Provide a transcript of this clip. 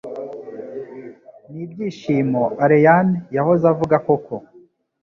N'ibyishimo Allayne yahoze avuga koko